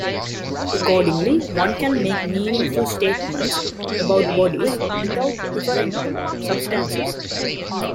Accordingly, one can make meaningful statements about bodies without referring to substances.